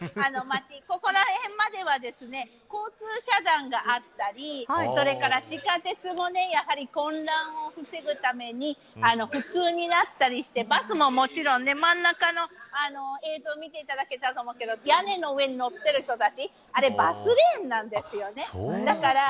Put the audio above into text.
ここら辺までは交通遮断があったりそれから地下鉄もやはり混乱を防ぐために不通になったりしてバスももちろん、真ん中の映像見ていただけると分かると思うけど屋根の上に乗っている人たちあれバスレーンなんですよね。